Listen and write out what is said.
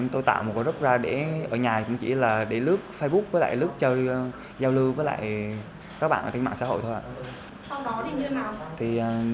tôi tạo một group ra để ở nhà cũng chỉ là để lướt facebook với lại lướt chơi giao lưu với lại các bạn ở trên mạng xã hội thôi